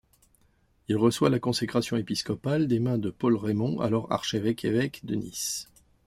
Il reçoit la consécration épiscopale des mains de Paul Rémond, alors archevêque-évêque de Nice.